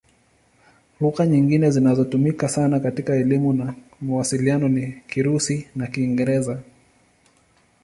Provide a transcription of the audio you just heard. Lugha nyingine zinazotumika sana katika elimu na mawasiliano ni Kirusi na Kiingereza.